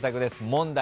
問題